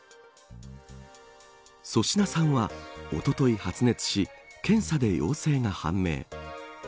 粗品さんは、おととい発熱し検査で陽性が判明。